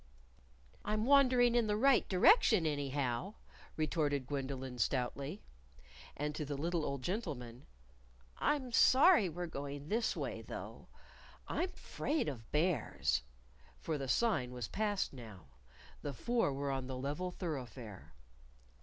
"I'm wandering in the right direction, anyhow," retorted Gwendolyn, stoutly. And to the little old gentleman, "I'm sorry we're going this way, though. I'm 'fraid of Bears," for the sign was past now; the four were on the level thoroughfare.